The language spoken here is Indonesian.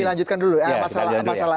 dilanjutkan dulu ya masalah